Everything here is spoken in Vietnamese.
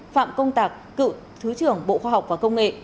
phạm công tạc cựu thứ trưởng bộ khoa học và công nghệ